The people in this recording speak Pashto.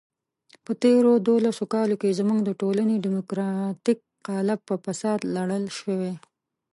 په تېرو دولسو کالو کې زموږ د ټولنې دیموکراتیک قالب په فساد لړل شوی.